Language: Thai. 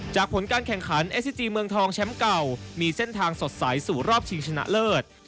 ผลการแข่งขันเอสซิจีเมืองทองแชมป์เก่ามีเส้นทางสดใสสู่รอบชิงชนะเลิศ